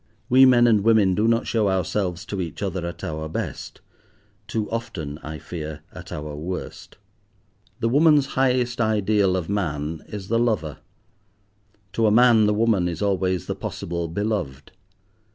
We men and women do not show ourselves to each other at our best; too often, I fear, at our worst. The woman's highest ideal of man is the lover; to a man the woman is always the possible beloved.